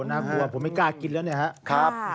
น่ากลัวผมไม่กล้ากินแล้วเนี่ยครับ